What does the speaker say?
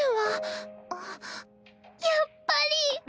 やっぱり。